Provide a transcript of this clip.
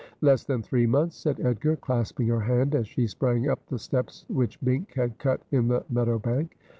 Less than three months,' said Edgar, clasping her hand as she sprang up the steps which Bink had cut in the meadow bank.